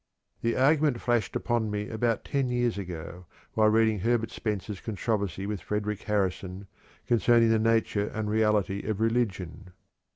The argument flashed upon me about ten years ago while reading Herbert Spencer's controversy with Frederic Harrison concerning the nature and reality of religion.